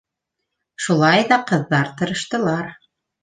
Шулай ҙа ҡыҙҙар тырыштылар.